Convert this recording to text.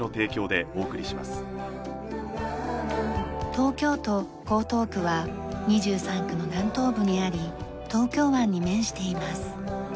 東京都江東区は２３区の南東部にあり東京湾に面しています。